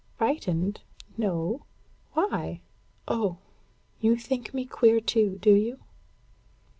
"Frightened? No. Why? Oh! you think me queer too, do you?"